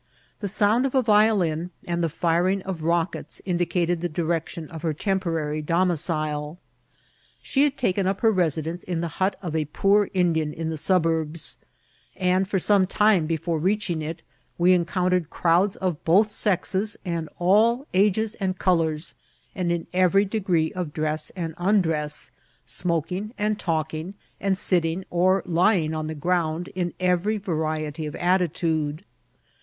The sound of a violin and the firing of rockets indicated the direction of her temporary domicil. She had taken up her residence in the hut of a poor Indian in the suburbs ; and, for some time before reaching it, we encountered crowds of both sexes, and all ages and colours, and in every degree of dress and undress, smoking and talking, and sitting or lying on the ground in every variety of attitude.